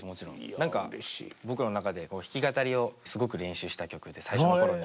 何か僕の中で弾き語りをすごく練習した曲で最初の頃に。